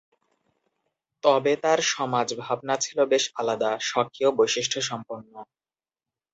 তবে তার সমাজ ভাবনা ছিল বেশ আলাদা, স্বকীয় বৈশিষ্ট্য সম্পন্ন।